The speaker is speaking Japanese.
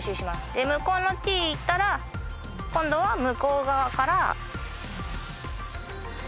で向こうのティいったら今度は向こう側から。